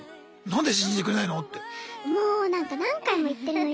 何で信じてくれないの！って。